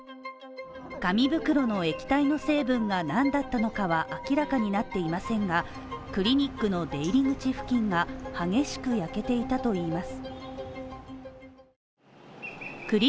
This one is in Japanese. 紙袋の液体の成分が何だったのかは明らかになっていませんが、クリニックの出入り口付近が激しく焼けていたといいます。